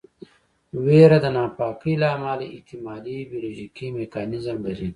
ویره د ناپاکۍ له امله احتمالي بیولوژیکي میکانیزم لري.